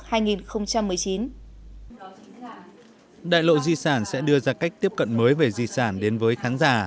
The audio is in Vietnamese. đại lộ di sản sẽ đưa ra cách tiếp cận mới về di sản đến với khán giả